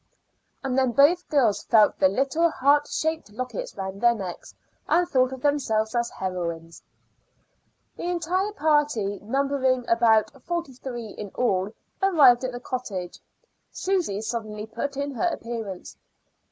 And then both girls felt the little heart shaped lockets round their necks and thought of themselves as heroines. The entire party, numbering about forty three in all, arrived at the cottage. Susy suddenly put in her appearance.